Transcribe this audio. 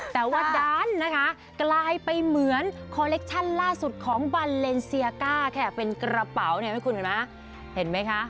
แต่ว่าด้านนะคะกลายไปเหมือนคอเล็กชั่นล่าสุดของบันเลนเซียก้าค่ะเป็นกระเป๋าเนี่ยให้คุณเห็นไหมเห็นไหมคะ